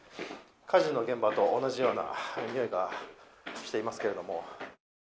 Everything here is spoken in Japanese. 火事の現場と同じような臭いがしています。